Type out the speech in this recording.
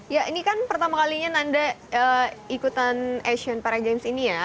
ya ini kan pertama kalinya nanda ikutan asean para games ini ya